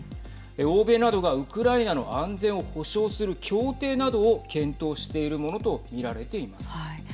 欧米などがウクライナの安全を保障する協定などを検討しているものと見られています。